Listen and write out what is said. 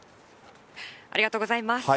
ありがとうございます。